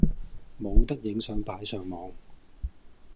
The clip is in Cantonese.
冇得影相擺上網